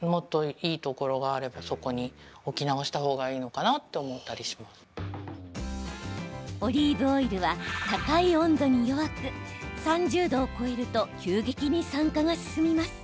ちょっと美奈子さん的にオリーブオイルは高い温度に弱く３０度を超えると急激に酸化が進みます。